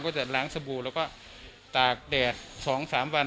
๒ก็จะล้างสบูเราก็ต่ากแดด๒๓วัน